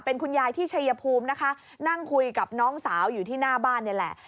เป็นคุณยายที่ชัยภูมินะคะนั่งคุยกับน้องสาวอยู่ที่หน้าบ้านนี่แหละ